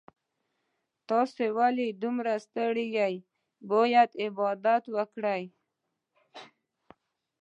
تاسو ولې دومره ستړي یې باید استراحت وکړئ